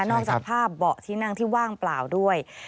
จากภาพเบาะที่นั่งที่ว่างเปล่าด้วย